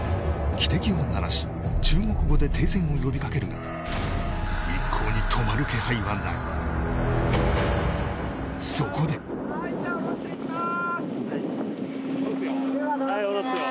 汽笛を鳴らし中国語で停船を呼びかけるが一向に止まる気配はないそこではいじゃおろしていきます